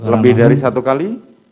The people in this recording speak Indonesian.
lebih dari satu kali